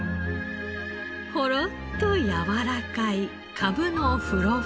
ほろっとやわらかいかぶの風呂吹。